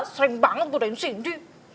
sering banget berdiri siri